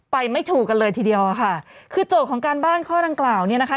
ไม่ถูกกันเลยทีเดียวอะค่ะคือโจทย์ของการบ้านข้อดังกล่าวเนี่ยนะคะ